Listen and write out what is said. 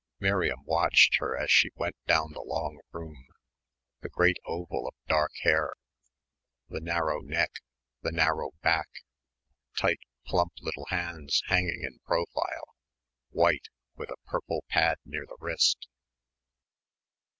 Miriam watched her as she went down the long room the great oval of dark hair, the narrow neck, the narrow back, tight, plump little hands hanging in profile, white, with a purple pad near the wrist.